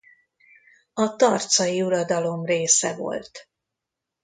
A tarcai uradalom része volt.